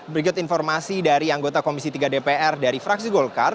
berikut informasi dari anggota komisi tiga dpr dari fraksi golkar